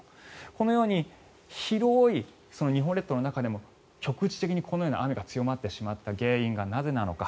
このように広い日本列島の中でも局地的に、このように雨が強まってしまった原因がなぜなのか。